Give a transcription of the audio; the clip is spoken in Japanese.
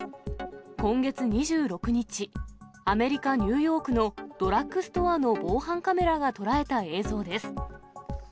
今月２６日、アメリカ・ニューヨークのドラッグストアの防犯カメラが捉えた映像です。